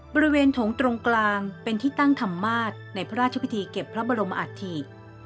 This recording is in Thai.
โถงตรงกลางเป็นที่ตั้งธรรมาศในพระราชพิธีเก็บพระบรมอัฐิ